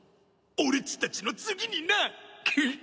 俺っちたちの次にな！